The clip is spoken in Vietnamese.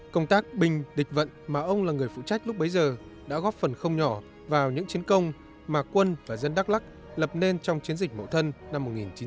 công tác binh địch vận mà ông là người phụ trách lúc bấy giờ đã góp phần không nhỏ vào những chiến công mà quân và dân đắk lắc lập nên trong chiến dịch mậu thân năm một nghìn chín trăm bảy mươi